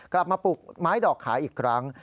กลับมาปลูกไม้ดอกขายอีกครั้ง